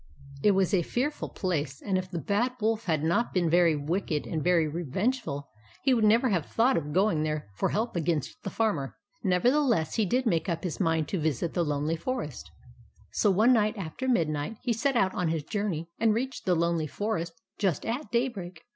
It was 144 THE ADVENTURES OF MABEL a fearful place ; and if the Bad Wolf had not been very wicked and very revengeful he would never have thought of going there for help against the Farmer. Nevertheless, he did make up his mind to visit the Lonely Forest ; so one night after midnight he set out on his journey, and reached the Lonely Forest just at daybreak.